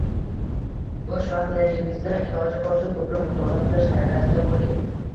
Boʻsh vaqtlaringizda iloji boricha koʻproq mutolaa qilish harakatida boʻling